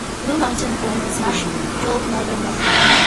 Blue Mountain forms its natural northern boundary.